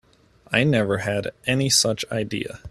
I never had any such idea.